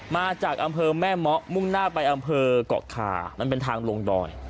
มาจากอำเภอแม่เมาะมุ่งหน้าไปอำเภอกเกาะคามันเป็นทางลงดอย